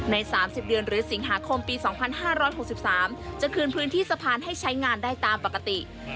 ๓๐เดือนหรือสิงหาคมปี๒๕๖๓จะคืนพื้นที่สะพานให้ใช้งานได้ตามปกติ